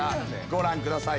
ご覧ください。